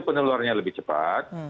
penularannya lebih cepat